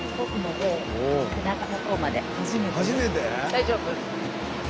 大丈夫？